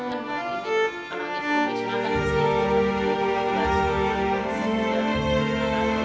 kalau gitu misalnya akan disediakan